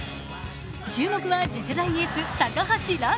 注目は次世代エース・高橋藍。